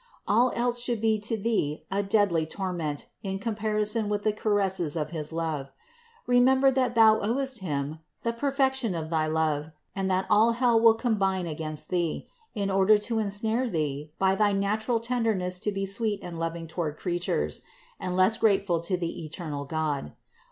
All else should be to thee a deadly torment in comparison with the caresses of his love. Remember that thou owest Him the perfection of thy love, and that all hell will combine against thee, in order to ensnare thee by thy natural tenderness to be sweet and loving toward creatures, and less grateful to the eternal God.